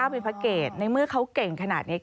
เป็นพระเกตในเมื่อเขาเก่งขนาดนี้